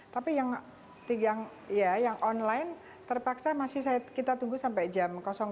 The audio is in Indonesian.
tiga ratus empat puluh delapan tapi yang online terpaksa masih kita tunggu sampai jam